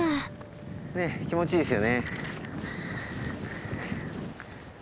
ねっ気持ちいいですよね。